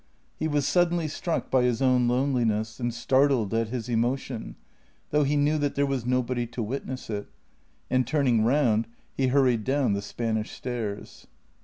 He was suddenly struck by his own loneliness and startled at his emotion, though he knew that there was nobody to witness it, and, turning round, he hurried down the Spanish stairs.